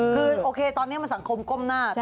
คือโอเคตอนนี้มันสังคมก้มหน้า